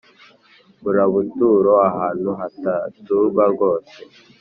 mburabuturo: ahantu hataturwa rwose